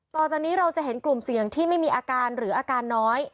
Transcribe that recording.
ต่อจากนี้เราจะเห็นกลุ่มเสี่ยงที่ไม่มีอาการหรืออาการน้อย